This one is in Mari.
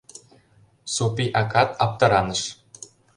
— Сопий акат аптыраныш.